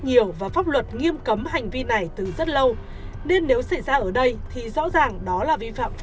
nhiều và pháp luật nghiêm cấm hành vi này từ rất lâu nên nếu xảy ra ở đây thì rõ ràng đó là vi phạm pháp